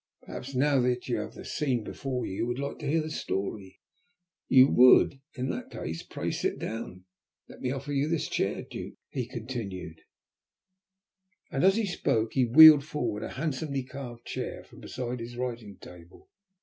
Perhaps now that you have the scene before you you would like to hear the story. You would? In that case pray sit down. Let me offer you this chair, Duke," he continued, and as he spoke he wheeled forward a handsomely carved chair from beside his writing table.